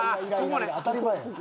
当たり前やん。